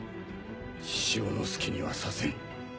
志々雄の好きにはさせん。